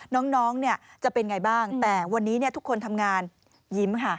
น้องจะเป็นไงบ้างแต่วันนี้ทุกคนทำงานยิ้มค่ะ